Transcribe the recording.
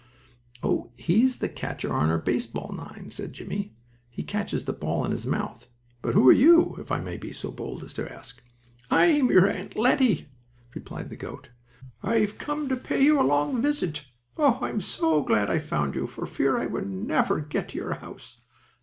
"Oh, he's the catcher on our base ball nine," said Jimmie. "He catches the balls in his mouth. But, who are you, if I may be so bold as to ask?" "I'm your Aunt Lettie," replied the goat. "I've come to pay you a long visit. Oh, I'm so glad I found you, for I feared I would never get to your house!